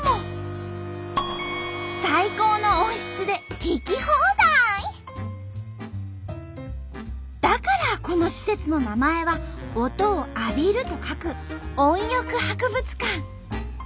最高の音質でだからこの施設の名前は「音を浴びる」と書く「音浴博物館」。